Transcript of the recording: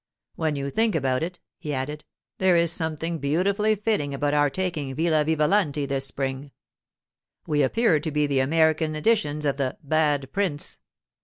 When you think about it,' he added, 'there is something beautifully fitting about our taking Villa Vivalanti this spring. We appear to be American editions of the "Bad Prince."